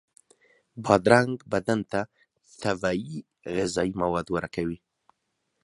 بادرنګ بدن ته طبیعي غذایي مواد ورکوي.